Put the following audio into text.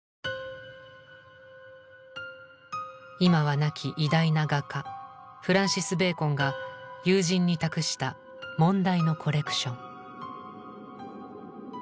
今は亡き偉大な画家フランシス・ベーコンが友人に託した問題のコレクション。